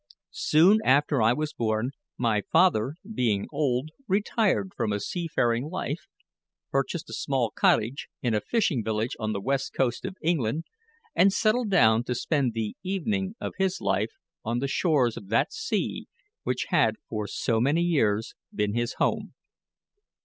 Soon after I was born, my father, being old, retired from a seafaring life, purchased a small cottage in a fishing village on the west coast of England, and settled down to spend the evening of his life on the shores of that sea which had for so many years been his home.